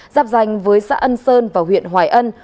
dạp dành với xã ân sơn và huyện hoài ân